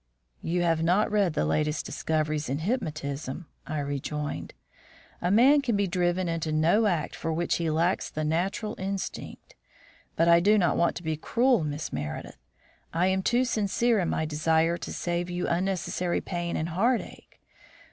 "You have not read the latest discoveries in hypnotism," I rejoined. "A man can be driven into no act for which he lacks the natural instinct. But I do not want to be cruel, Miss Meredith. I am too sincere in my desire to save you unnecessary pain and heartache.